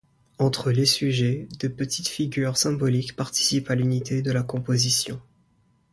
Entre les sujets, de petites figures symboliques participent à l’unité de la composition.